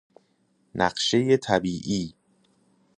نقشه طبیعی